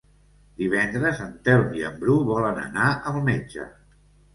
Divendres en Telm i en Bru volen anar al metge.